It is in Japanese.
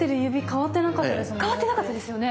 変わってなかったですよね。